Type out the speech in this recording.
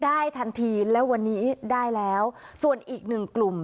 ได้ทันทีแล้ววันนี้ได้แล้วส่วนอีกหนึ่งกลุ่ม